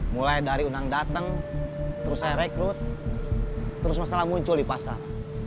mulai dari undang datang terus saya rekrut terus masalah muncul di pasar